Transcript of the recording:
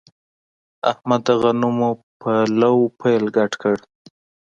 احمد د غنو پر لو پیل ګډ کړ.